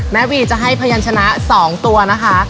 แม่วีจะให้พยานชนะ๒ตัวนะคะ